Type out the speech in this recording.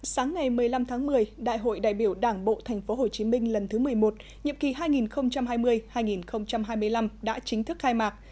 sáng ngày một mươi năm tháng một mươi đại hội đại biểu đảng bộ tp hcm lần thứ một mươi một nhiệm kỳ hai nghìn hai mươi hai nghìn hai mươi năm đã chính thức khai mạc